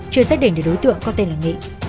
chưa xác định được đối tượng có tên là nghị